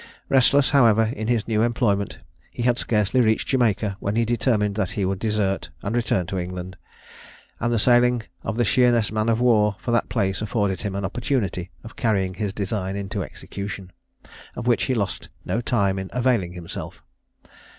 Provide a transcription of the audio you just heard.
Restless, however, in his new employment, he had scarcely reached Jamaica, when he determined that he would desert and return to England; and the sailing of the Sheerness man of war for that place afforded him an opportunity of carrying his design into execution, of which he lost no time in availing himself.